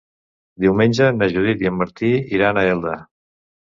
Diumenge na Judit i en Martí iran a Elda.